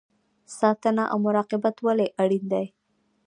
ساتنه او مراقبت ولې اړین دی؟